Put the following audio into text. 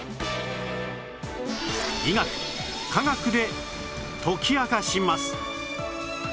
医学・科学で解き明かします